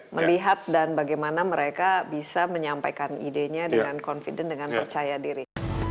melihat dan bagaimana mereka bisa menyampaikan idenya dengan confident dengan percaya diri